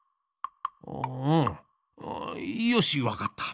ああうんよしわかった。